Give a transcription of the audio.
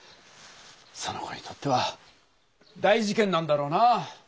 その子にとっては大事けんなんだろうな。